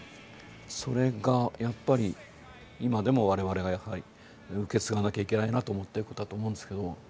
それがやっぱり今でも我々がやっぱり受け継がなきゃいけないなと思ってることだと思うんですけど。